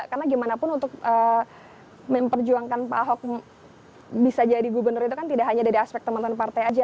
karena gimana pun untuk memperjuangkan pak ahok bisa jadi gubernur itu kan tidak hanya dari aspek teman teman partai saja